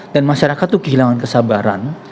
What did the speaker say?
dan masyarakat tuh kehilangan kesabaran